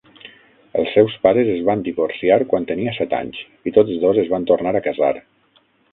Els seus pares es van divorciar quan tenia set anys i tots dos es van tornar a casar.